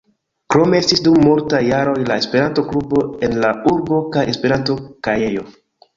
Krome estis dum multaj jaroj la Esperanto-klubo en la urbo, kaj Esperanto-kajejo.